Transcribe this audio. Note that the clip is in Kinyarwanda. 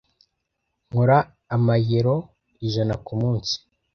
Nkora amayero ijana kumunsi.